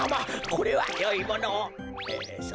これはよいものを。